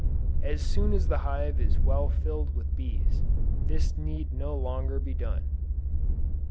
As soon as the hive is well filled with bees, this need no longer be done.